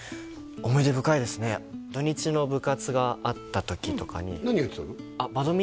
思い出深いですね土日の部活があった時とかに何やってたの？